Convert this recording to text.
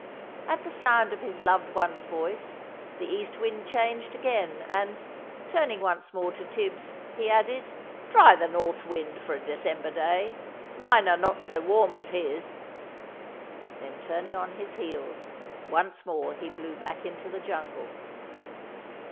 At the sound of his loved one's voice the East Wind changed again, and, turning once more to Tibbs, he added: "Try the North Wind for a December day, mine are not so warm as his." Then turning on his heels, once more he blew back into the jungle.